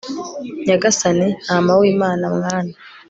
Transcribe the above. nyagasani, ntama w'imana mwana